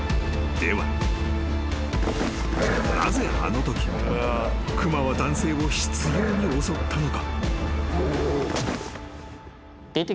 ［ではなぜあのとき熊は男性を執拗に襲ったのか？］